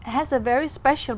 trong ba năm